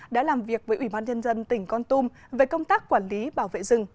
đã làm việc với ủy ban nhân dân tỉnh con tum về công tác quản lý bảo vệ rừng